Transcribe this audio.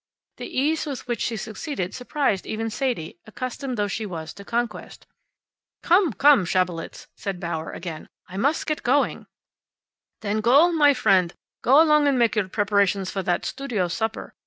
The ease with which she succeeded surprised even Sadie, accustomed though she was to conquest. "Come, come, Schabelitz!" said Bauer again. "I must get along." "Then go, my friend. Go along and make your preparations for that studio supper.